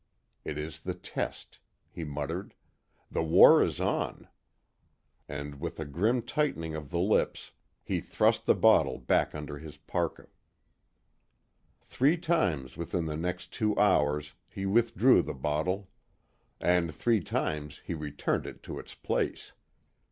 It is the test," he muttered, "The war is on," and with a grim tightening of the lips, he thrust the bottle back under his parka. Three times within the next two hours he withdrew the bottle. And three times he returned it to its place.